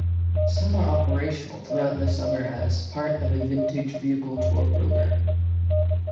Some are operational throughout the summer as part of a Vintage Vehicle Tour program.